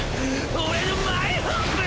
俺のマイホープ！